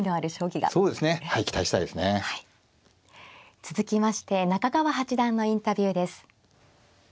続きまして中川八段のインタビューです。